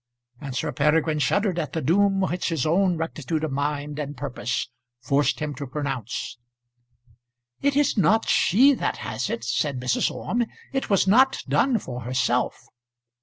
And Sir Peregrine shuddered at the doom which his own rectitude of mind and purpose forced him to pronounce. "It is not she that has it," said Mrs. Orme. "It was not done for herself."